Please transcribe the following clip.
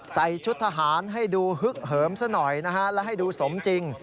ใส่ชุดทหารให้ดูฮึกเหิมซะหน่อยนะฮะและให้ดูสมจริง